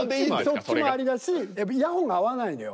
そっちもありだしイヤホンが合わないのよ。